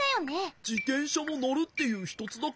じてんしゃものるっていうひとつだけ？